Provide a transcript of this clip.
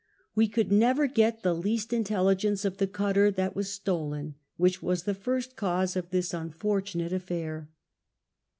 We couhl never get the least intelligence of the cutter that was stolen, which W'as the first cause of this unfortunate allair.